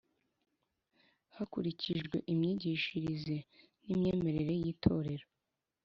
Hakurikijwe imyigishirize n’ imyemerere y ‘Itorero